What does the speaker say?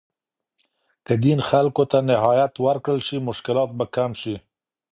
که دین خلګو ته نهایت ورکړل سي، مشکلات به کم سي.